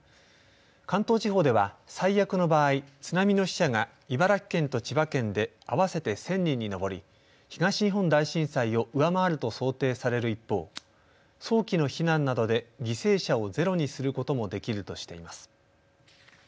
関東地方では最悪の場合津波の死者が茨城県と千葉県であわせて１０００人に上り東日本大震災を上回ると想定される一方早期の避難などで犠牲者をゼロにすることもできるとしています。